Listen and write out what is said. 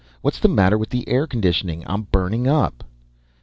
"What's the matter with the air conditioning? I'm burning up."